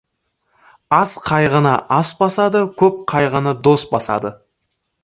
Аз қайғыны ас басады, көп қайғыны дос басады.